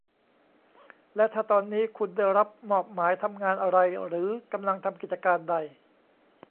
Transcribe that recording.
และถ้าตอนนี้คุณได้รับมอบหมายทำงานอะไรหรือกำลังทำกิจการใด